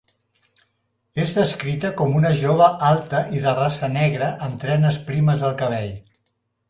És descrita com una jove alta i de raça negra amb trenes primes al cabell.